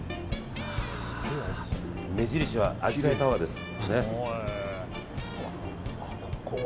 目印はアジサイタワーです。